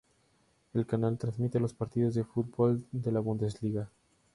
El canal transmite los partidos de fútbol de la Bundesliga.